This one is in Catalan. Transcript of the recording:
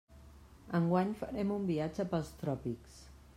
Enguany farem un viatge pels tròpics.